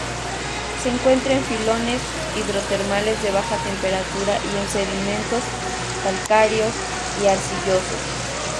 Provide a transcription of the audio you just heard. Se encuentra en filones hidrotermales de baja temperatura y en sedimentos calcáreos y arcillosos.